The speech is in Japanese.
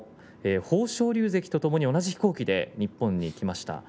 豊昇龍関とともに同じ飛行機で日本に来ました。